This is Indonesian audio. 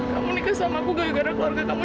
kamu nikah sama aku gak juga ada keluarga kamu